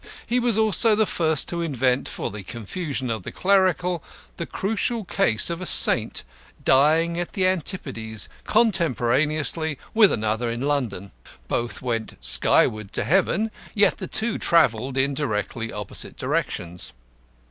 He was also the first to invent, for the confusion of the clerical, the crucial case of a saint dying at the Antipodes contemporaneously with another in London. Both went skyward to heaven, yet the two travelled in directly opposite directions.